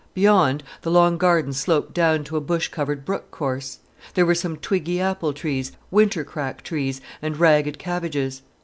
Beyond, the long garden sloped down to a bush covered brook course. There were some twiggy apple trees, winter crack trees, and ragged cabbages.